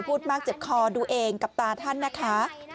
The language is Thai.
พูดมากเจ็บคอดูเองกับตาท่านนะคะ